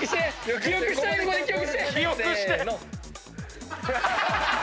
記憶して。